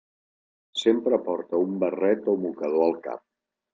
Sempre porta un barret o mocador al cap.